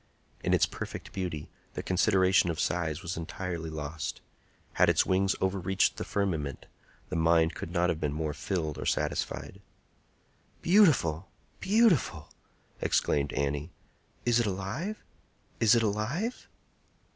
In its perfect beauty, the consideration of size was entirely lost. Had its wings overreached the firmament, the mind could not have been more filled or satisfied. "Beautiful! beautiful!" exclaimed Annie. "Is it alive? Is it alive?"